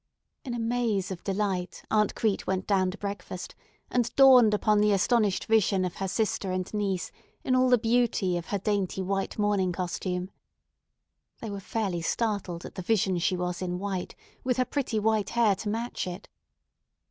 In a maze of delight Aunt Crete went down to breakfast, and dawned upon the astonished vision of her sister and niece in all the beauty of her dainty white morning costume. They were fairly startled at the vision she was in white, with her pretty white hair to match it.